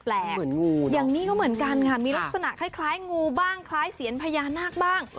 เหมือนงูอย่างนี้ก็เหมือนกันค่ะมีลักษณะคล้ายงูบ้างคล้ายเสียนพญานาคบ้าง